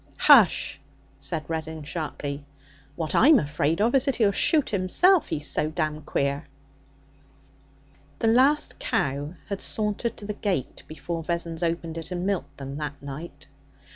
'Hush!' said Reddin sharply. 'What I'm afraid of is that he'll shoot himself, he's so damned queer.' The last cow had sauntered to the gate before Vessons opened it and milked them that night.